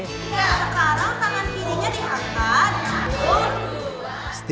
setelah selesai kita berhenti